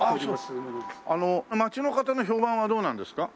あの街の方の評判はどうなんですか？